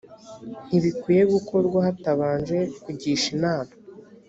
ntibikwiye gukorwa hatabanje kugisha inama